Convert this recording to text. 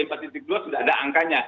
empat dua sudah ada angkanya